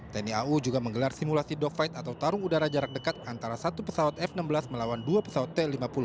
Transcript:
tni au juga menggelar simulasi dogfight atau tarung udara jarak dekat antara satu pesawat f enam belas melawan dua pesawat t lima puluh